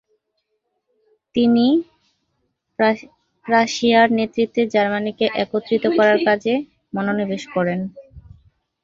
তিনি প্রাশিয়ার নেতৃত্বে জার্মানিকে একত্রিত করার কাজে মনোনিবেশ করেন।